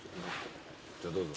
じゃどうぞ。